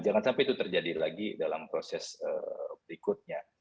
jangan sampai itu terjadi lagi dalam proses berikutnya